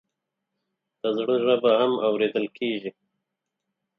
د زړه ژبه هم اورېدل کېږي.